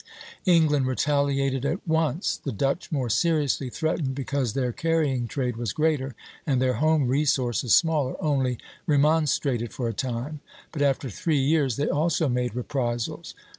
England retaliated at once; the Dutch, more seriously threatened because their carrying trade was greater and their home resources smaller, only remonstrated for a time; but after three years they also made reprisals.